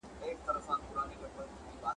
د لمر وړانګي خوب او خیال ورته ښکاریږي `